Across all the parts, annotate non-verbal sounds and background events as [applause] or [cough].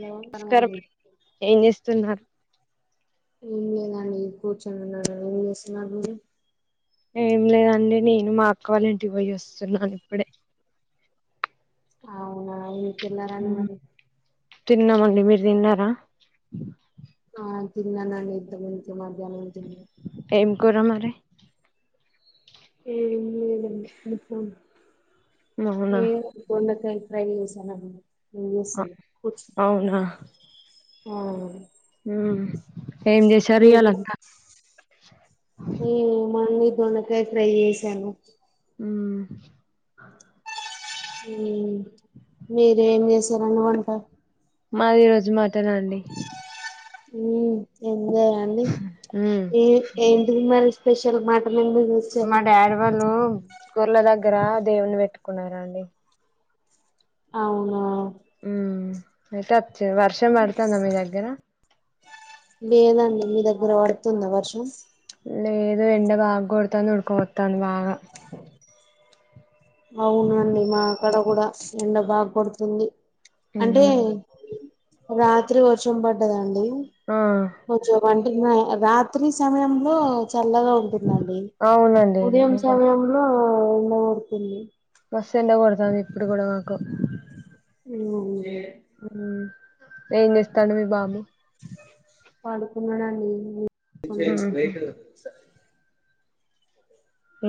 లేవం పరం నమస్కారం అండి ఏం చేస్తున్నారు ఏం లేదండి కూర్చొనిన్నాడను ఎం చేస్తున్నారు మీరు ఏం లేదండి నేను మా అక్క వాళ్ళ ఇంటికి పోయి వస్తున్నాను ఇప్పుడే అవునా మీరు తిన్నారా అండి మరి తిన్నామండి మీరు తిన్నారా ఆ తిన్నానండి ఇంతకుముందుకే మధ్యాహ్నం తిన్ ఏం కూర మరి ఏం లేదండి [unintelligible] అవునా లేదు దొండకాయి ఫ్రై చేసానండి ఏం చేస్తున్నావ్ కూచున్ అవునా ఆ హు ఏం చేసారు ఇయ్యాలంతా మేమా అండి దొండకాయి ఫ్రై చేసాను ఉహ్ ఉహు మీరూ ఏం చేశారండి వంటా మాది ఈ రోజు మటన్ అండి ఎంజాయా అండి ఉమ్ ఏ ఏంటిది మరి స్పెషల్ మటన్ ఎందుకు చేసార్ మా డాడీ వాళ్ళు గొర్ల దగ్గర దేవుణ్ణి పెట్టుకున్నారండి అవునా ఉ అయితే ఒచ్చింరు వర్షం వడుతందా మీ దగ్గర లేదండి మీ దగ్గర పడుతుందా వర్షం లేదు ఎండ బాగా కొడుతంది ఉడుకోపోతాంది బాగా అవునుండి మాకాడ కూడా ఎండ బాగోడుతుంది అంటే ఉమ్ రాత్రి వర్షం పడ్డదండి ఆ కొంచెం వంటి రాత్రి సమయంలో చల్లగా ఉంటుందండి అవునండి ఉదయం నిజంగా సమయంలో ఎండ కోడుతుంది మస్త్ ఎండ కొడతాంది ఇప్పుడు కూడా మాకు ఉ ఏం చేస్తండు మీ బాబు పాడుకున్నాడండి ఉహు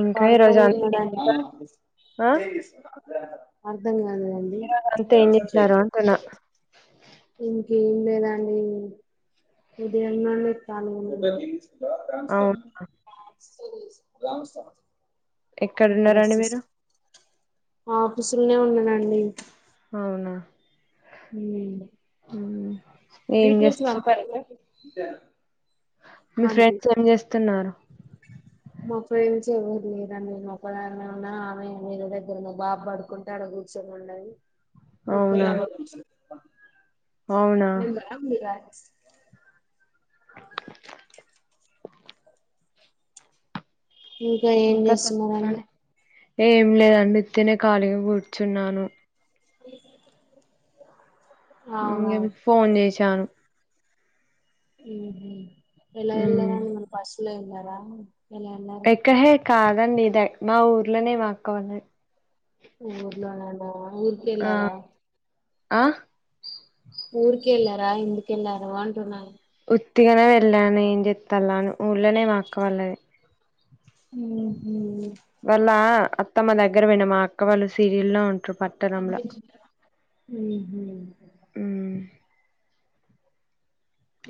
ఇంకా ఈరోజు అంత పాడుకోనున్నాడండి ఆ అర్ధం కాలేదండి ఈరోజు అంతా ఏం చేసినారు అంటున్నా ఇంకేం లేదండి ఉదయంన్న లేదు కానీ ఉండ హలో గమస్థాన అవునా గ్రామస్థనం [unintelligible] అక్కడ ఎక్కడున్నారండి వస్తే మీరు ఆఫీస్ లనే ఉన్నానండి అవునా ఉమ్ ఉమ్ ఏం డీటెయిల్స్ చేస్తు మంప్పార మీ ఫ్రెండ్స్ ఏం చేస్తున్నారు మా ఫ్రెండ్స్ ఎవ్వరు లేరు అండి నే ఒక్కదాన్నే ఉన్నా ఆమె మీ దగ్గర ను్వు బాబ పడు మా ఫ్రెండ్ ఆడా కూర్చొని ఉన్నది అవునా అవునా నక్ మిరాయి ఇష్టం ఏం ఇంకా చేస్తున్నారండి చెప్పండి ఏం లేదండి ఉత్తినే ఖాళీగా కూర్చున్నాను హ్మ్ ఇగా అవునవును మీకు ఫోన్ చేశాను ఉహు ఎలా ఉమ్ ఎల్లారండి బస్సులో ఎల్రరా ఎలా ఎల్లారు దాహేరే కాదండి ఇద మా ఊర్లోనే మాక్క వాళ్ళది ఊర్లోనేనా ఊర్క ఆ ఎళ్ళారా ఆ ఊరికి ఎళ్ళారా ఎందుకెళ్ళారా అంటున్నాను ఉత్తిగానే వెళ్ళను ఏం చేతలా ఊళ్ళనే మాఅక్క వాళ్ళది ఉహు వాళ్ళ అత్తమ్మ దగ్గర పోయిన మా అక్క వాళ్ళు సీరియల్ లో ఉంటారు పట్ ఊహు హ్మ్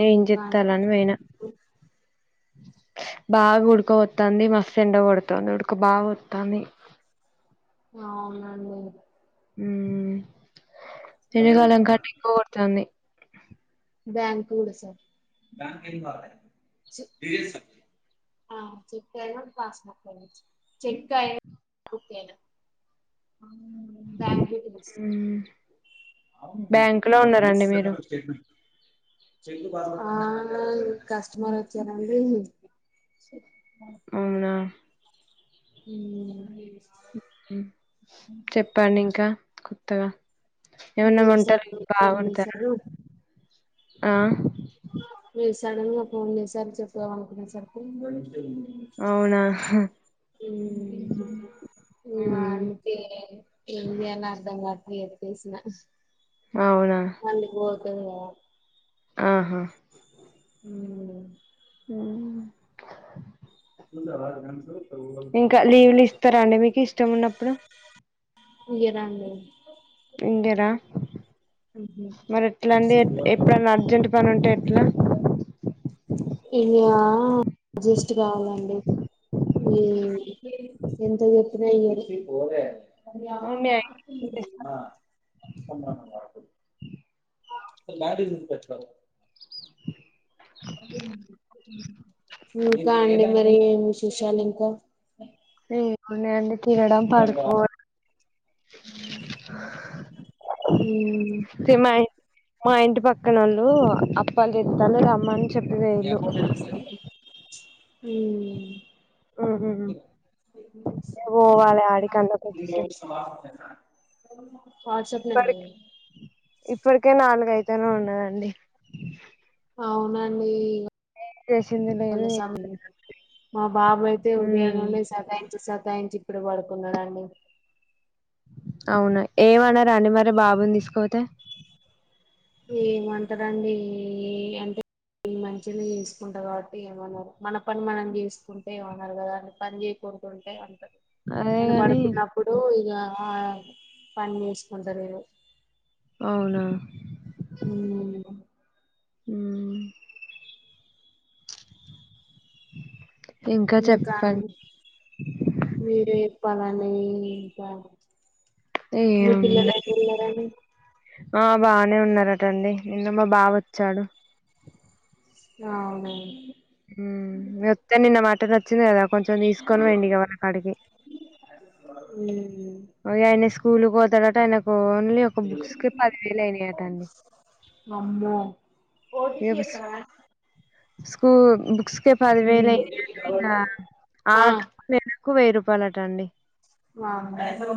ఏం ఇంకా అండి చేతల్లు అని మరి పోయినా బాగా ఉడకపోతది మస్తు ఎండ కొడతుంది ఉడక బాగా పోత్తంది అవునండి ఉమ్ ఎండకాలంకన్నా ఎక్కుకొడతాంది బ్యాంక్ కూడా సార్ చి ఆ చెక్కయిన పాస్బుక్కైనా చెక్కయి బుక్కైనా బ్యాంక్ [unintelligible] మ్మ్ అవును మీకు బ్యాంక్ లో [unintelligible] ఉన్నారండి పంపిచ్చేసా మీరు కదా స్టేట్‌మెంట్‌ ఆ కస్టమర్ వచ్చారంండి అవునా ఉమ్ ఉమ్ చెప్పండి ఇంక కొత్తగ మీరు సడన్ గా ఫోన్ చేశారు [unintelligible] మీరు సడన్ గా ఫోన్ చేశారు చెప్దాం అనుకునేసరికి అవునా ఉమ్ ఏం ఏంచేయాలో అర్థం గాట్లేదు [unintelligible] అవున మళ్ళీ పోతది కద ఆహా ఉ ఉ [unintelligible] ఇంక లీవులు ఇస్తర అండి మీకి ఇష్టం ఉన్నప్పుడు ఇయరాండి [unintelligible] మరి ఎట్ల అండి ఎప్పుడన్నా అర్జెంట్ పనుంటే ఎట్ల ఇంగ అడ్జస్ట్ కావాలండి ఉమ్ ఎంత చెప్పిన ఇయ్యరు ఉన్నాయి [unintelligible] [unintelligible] ఇంకా అండి మరి ఏమ్ విశేషాలు ఇంక ఇంగ ఎం ఉన్నాయండి ఉ [unintelligible] మా ఇంటి పక్కనోళ్ళు అప్పాలు చేత్తలు రమ్మ చెప్పలే [unintelligible] హు ఉహుహు పోవాలే ఆడికన్న కొద్దిసే వాట్సాప్ నం [inaudible] ఇప్పటికి ఇప్పటికే నాలుగైతేనే ఉన్నదండి అవునండీ చేసింది లేదు ఎ మా బాబు అయితే ఉదయం ఉమ్ నుండి సతాయించి సతాయించి ఇప్పుడు పడుకున్నాడండి అవునా ఏమనరా అండి మరి బాబుని తీసుకోపోతే ఏమంటరండి ఏ అంటే ఈ మంచినే చేసుకుంటా కాబట్టి ఏమనరు మన పని మనం చేసుకుంటే ఏమనరు కదా అ పని చే [unintelligible] అదే ఆయన గాని పడుకున్నప్పుడు ఇగా ఆ పని చేసుకుంటరు అవున హు హు ఇంకా చెప్పండి మీరే చెప్పాలండీ ఇంకా మీ ఏముంది పిల్లలెట్టున్నారండి ఆ బానే ఉన్నారటండి నిన్న మా బావోచ్చాడు ఆవునా [unintelligible] నిన్న మ [unintelligible] ఆయన స్కూల్ పోతాడట ఆయనకు ఓన్లీ ఒక బుక్స్కి పదివేలు అయినాయట అండి అమ్మో ఏ ఓటీపీ బుక్స్ చెప్పనా ఉమ్ బుక్స్కే పదివేలు అయందింట ఇంకా ఆ ఆట క్కు వెయ్యి రూపాయలట అండి వామ్మో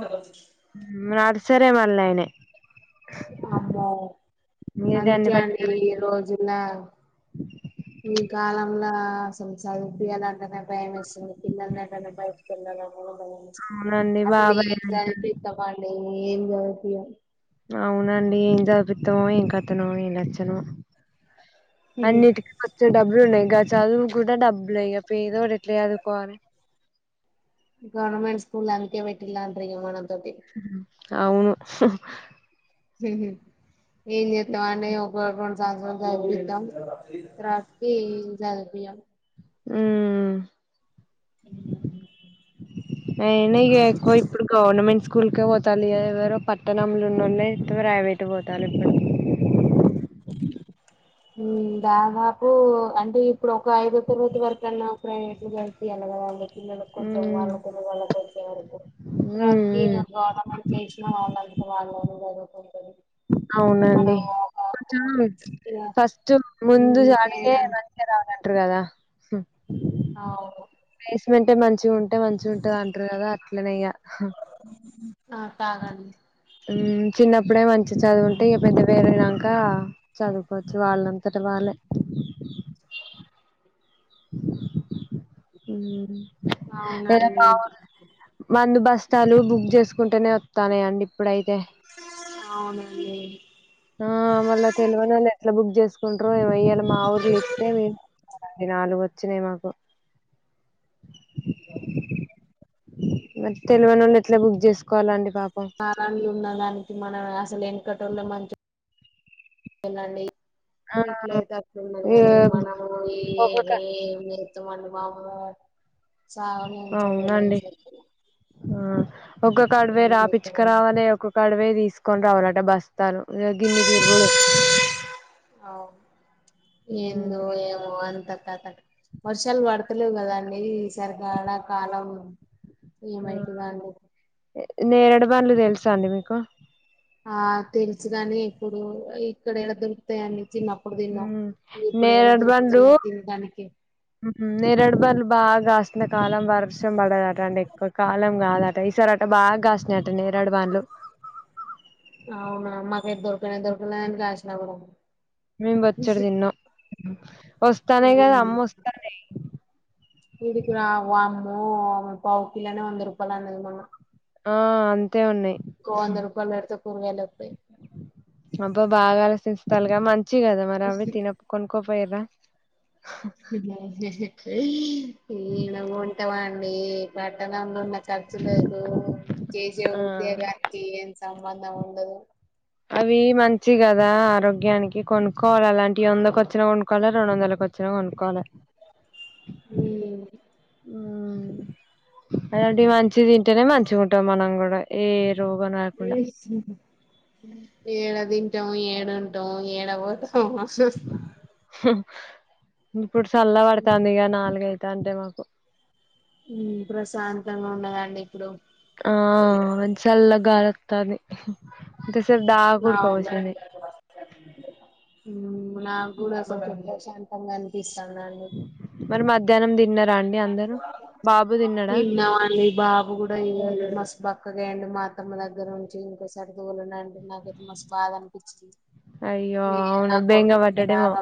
ఉమ్ నర్సరే మల్ల అయినాయి అమ్మో ఇగ అందుకే గన్ని పైసలు అండి ఈ రోజున ఈ కాలంలో అసలు సదిపియాలంటేనే భయం ఎస్తుంది పిలలంటనే బయ్ ఉమ్ అవునండి అసలు బాబాయ్ ఏమి అంట సదిపిస్తామండి ఏమి సదిపియం అవునండి ఏం జదిపితమో ఏం కథనో ఏం నచ్చను అన్నిటి కొంచెం డబ్బులు ఉన్నాయిగా చదువు కూడా డబ్బులు ఇగ పెదోడు ఎట్లా చదువుకోవాలి గవర్నమెంట్ స్కూల్ అందుకే పెట్టిలాంట మనం తొటి అవును ఉమ్ ఉమ్ హు ఏం చేస్తామండి అని ఒక రెండు సంవత్సరాలు చదిపిద్దాం లాస్ట్కీ చదిపియాం ఉమ్ అయినా ఏకువ ఇప్పుడు గవర్నమెంట్ స్కూల్కే పోతాలిగా ఎవరో పట్టణంలో ఉన్నొలె ప్రైవేట్ పోతాలు ఇప్పుడు ఉమ్ దాదాపు అంటే ఇప్పుడు ఒక ఐదో తరగతి వరకు అన్నా ప్రైవేట్ లో జరిపియాలి కదా అండి పిల్లలకి కొంచెం ఉమ్ వాళ్ళ తెలివి వాళ్ళకి వచ్చే వరకు ఉమ్ ఇక గవర్నమెంట్లు వేసినా వాళ్లంతాట వాళ్లే చదువుకుంటారు అవునండి కొంచెం ఇగ ఫస్ట్ ముందుది అడిగే ఉన్నందుకైనా నన్ తే రావాలంటారు కదా అవును బేస్మెంట్ మంచిగా ఉంటే మంచిగ ఉంటది అంటారు కదా అట్లనే ఇగ ఉమ్ ఆ తాగండి ఉమ్ చిన్నప్పుడే మంచి చదువుంటే ఇక పెద్ద పెరినక చదువుకోవచ్చు వాళ్ళంతట వాళ్ళే ఉమ్ అవునండి ఏరణవల్ మందు బస్తాలు బుక్ చేసుకుంటేనే వస్తాన్నాయి అండి ఇప్పుడైతే అవునండి ఆ మళ్ళా తేల్వనోళ్లు ఎట్లా బుక్ చేసుకుంటారో ఏమో ఇయాలా మా ఊర్లో ఎక్కుతే ది నాలుగు వచ్చినాయి మాకు మరి తెలవనోళ్ళు ఎట్లా బుక్ చేసుకోవాలండి పాపం కారావి ఉన్న దానికి మనం అసలు వెనుకటోల్లో మంచి వెళ్ళండి అ ఎట్ల అయితే వస్తున్నారు కానీ మనము ఒక్కొక్క ఏమి ఏమి [unintelligible] మము చానా చదవలేం అవునండి సరికి ఆ ఒక్కొక్కడ్ పోయ్ చేద్దామని రాపచ్చుకురావలే ఒక్కో కడవే తీసుకొని రావలట బస్తారు ఇగ గిన్ని తిరుగుడు అవ్ ఎందో ఏమో అంత కథ వర్షాలు పడతలేవు కదండి ఈ సరి వాన కాలం ఏమైతుందో అండి ఎ నేరడు పండ్లు తెలుసా అండి మీకు ఆ తెలుసుగాని ఇప్పుడు ఇక్కడ ఎడా దొరుకుతాయండి చిన్నప్పుడు తిన్న ఇప్పుడు ఎడ దొరుకుతున్నాయి తినడానికి ఉమ్ నేరేడు పండ్లు బాగా కాసిన కాలం వర్షం పడదటండి ఎక్కువ కాలం కాదట ఈసారట బాగా కాస్తునయయట నేరడ బండ్లు అవునా మాకైతే దొరకనా దొరకలే అని కాసినా కూడా మేం బోచ్చడు తిన్నం వస్త అ ఈడీకు రా వామ్మో పౌవు కిలోనే వంద రూపాయలన్నది మొన్న ఆ అంతే ఉన్నాయి ఇంకొ వంద రూపాయలు పెడితే కూరగాయలు వతయి అబ్బా బాగా ఆలోచిస్తాల్లు గా మంచి కదా మరి అవ్వి తిన కొనుక్కపోయరా ఈ నవ్వు ఉంటావా అండి పట్టణంలో న ఖర్చు లేదు చేశే ఆ ఉద్యోగానికి ఏం సంబంధం ఉండదు అవి మంచి కదా ఆరోగ్యానికి కొనుక్కోవాలి అలాంటివి వందకి వచ్చినా కొనుక్కోవాలి రెండు వందల వచ్ చ్చిన కొనుక్కో ల ఉ అలాంటి మంచి తింటేనే మంచి ఉంటాం మనం కూడా ఏ రోగం రాకుండా ఏడ తింటాం ఏడు ఉంటాం ఏడ పోతాం ఇప్పుడు చల్ల పడుతాందిగ ఇక నాలుగైతాంటే మాకు ప్రశాంతంగా ఉన్నాదండి ఇప్పుడు ఆ సల్లగా గాలోతంది ఎంతసేపు ద నా నాకు కూడా అసల్కి మోషన్స్ ఇంగనిపిస్తన్దండి మరి మధ్యాహ్నం తిన్నారా అండి అందరు బాబు తిన్నాడా ఈ బాబు కూడా ఇగ మస్తు బక్కగయిండు మా తమ్మ దగ్గర నుంచి ఇంకోసరితొలనని నాకైతే మస్తు బాధ అనిపించింది అయ్యో అవును బేంగ వడ్డడేమో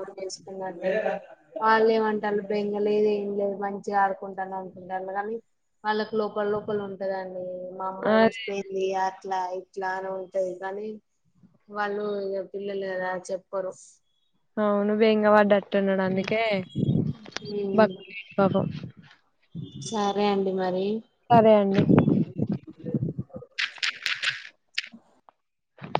వాళ్లేమంటాల్లు బెంగ లేదు ఏం లేదు మంచిగా ఆడుకుంటాడు అనుకుంల్లు కానీ వాళ్ళకి లోపల లోపల ఉంటదండి మా అమ్మ అదే చూసిపోయింది అట్లా ఇట్లా అని ఉంటది కానీ వాళ్ళు ఇగ పిల్లలు గదా చెప్పరు అవును బేంగ వడ్డట్టున్నాడు అందుకే ఉమ్ బక్కగయిండు పాపం సరే అండి మరి సరే అండి